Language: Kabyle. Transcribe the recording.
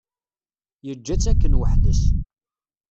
Yeǧǧa-tt akken weḥd-s.